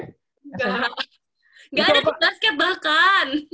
nggak nggak ada klub basket bahkan